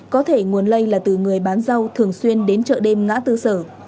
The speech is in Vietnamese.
có thể nguồn lây là từ người bán rau thường xuyên đến chợ đêm ngã tư sở